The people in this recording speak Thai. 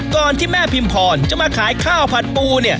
ก่อนที่แม่พิมพรจะมาขายข้าวผัดปูเนี่ย